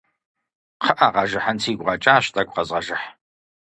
КъыӀэ, къэжыхьын сигу къэкӀащ, тӀэкӀу къэзгъэжыхь.